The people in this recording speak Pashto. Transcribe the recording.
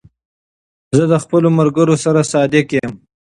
زه له خپلو ملګرو سره صادق یم.